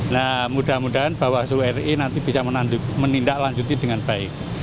nah mudah mudahan bawaslu ri nanti bisa menindaklanjuti dengan baik